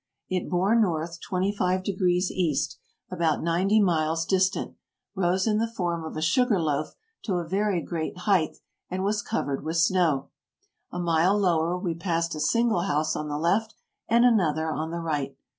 It bore north 2 5° east, about ninety miles distant, rose in the form of a sugar loaf to a very great height and was covered with snow. A mile lower we passed a single house on the left, and another on the right.